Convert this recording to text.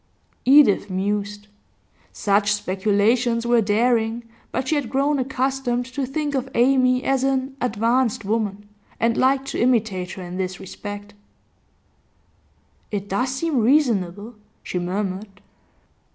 Edith mused. Such speculations were daring, but she had grown accustomed to think of Amy as an 'advanced' woman, and liked to imitate her in this respect. 'It does seem reasonable,' she murmured.